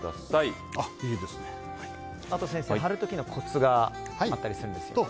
先生、貼る時のコツがあったるするんですか。